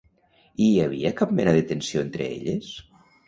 I hi havia cap mena de tensió entre elles?